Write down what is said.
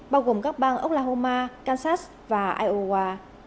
bao gồm các bang oklahoma kansas và iowa